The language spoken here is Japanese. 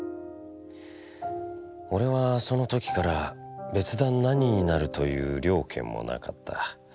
おれはその時から別段何になるという了見もなかった。